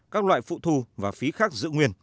các loại phụ thu và phí khác giữ nguyên